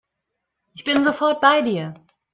Ich bin sofort bei dir.